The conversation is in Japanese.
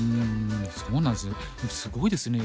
そうなんですね。